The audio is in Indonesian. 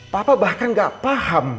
papa bahkan gak paham